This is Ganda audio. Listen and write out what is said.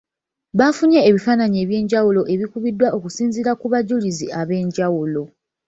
Bafunye ebifaananyi ebyenjawulo ebikubiddwa okusinziira ku bajulizi ab’enjawulo.